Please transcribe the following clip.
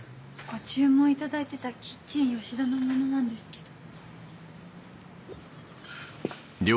ご注文いただいてたキッチンよしだの者なんですけど。